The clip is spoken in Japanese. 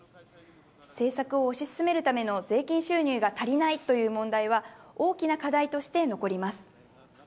政策を推し進めるための税金収入が足りないという問題は、大きな課題として残ります。